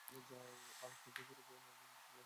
সদর দরজায় যাও আর দেখো কেউ যেন ভেতরে আসতে না পারে।